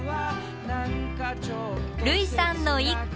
類さんの一句。